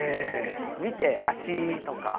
見て足とか。